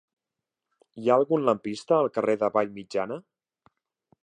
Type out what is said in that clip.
Hi ha algun lampista al carrer de Vallmitjana?